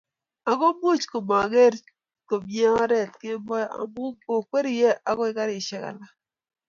agoo muchmageer komnyei oret kemboi amu ago kwergei ago karishek alak